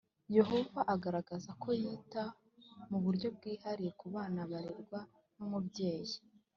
Yehova agaragaza ko yita mu buryo bwihariye ku bana barerwa n umubyeyi